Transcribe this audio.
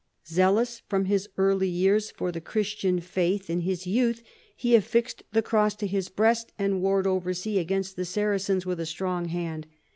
Zealous vii LAST YEARS 225 from his early years for the Christian faith, in his youth he affixed the cross to his breast and warred over sea against the Saracens with a strong hand.